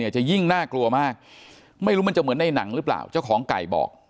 จะยิ่งน่ากลัวมากไม่รู้มันจะเหมือนในหนังหรือเปล่าเจ้าของไก่บอก